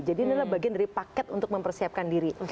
jadi inilah bagian dari paket untuk mempersiapkan diri